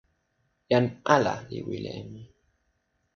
jan ala li wile e mi.